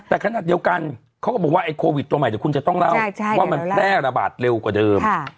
แต่ขณะเดียวกันเค้าก็บอกว่าไอ้โควิดตัวใหม่คุณจะต้องแล้วว่ามันแร่ระบาดเร่วกว่าเดิม